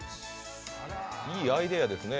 いいアイデアですね。